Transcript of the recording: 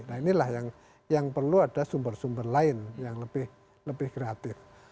nah inilah yang perlu ada sumber sumber lain yang lebih kreatif